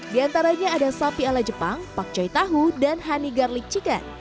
di antaranya ada sapi ala jepang pakcoy tahu dan honey garlic chicken